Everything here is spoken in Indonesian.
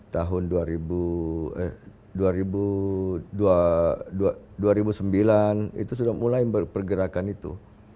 tahun dua ribu sembilan itu sudah mulai pergerakan itu